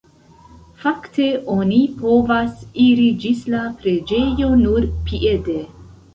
Fakte oni povas iri ĝis la preĝejo nur piede.